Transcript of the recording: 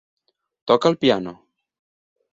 Toca el piano.